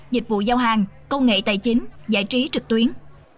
dịch vụ giao hàng công nghệ tài chính giải trí trực tuyến